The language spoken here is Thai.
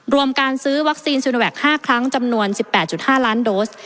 การซื้อวัคซีนซูโนแวค๕ครั้งจำนวน๑๘๕ล้านโดส